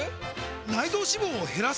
内臓脂肪を減らす！？